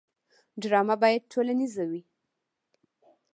ډرامه باید ټولنیزه وي